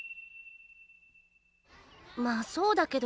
まあそうだけど。